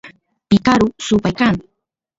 picaru supay kan